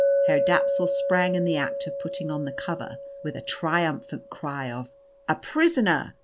Herr Dapsul sprang in the act of putting on the cover, with a triumphant cry of "a Prisoner!"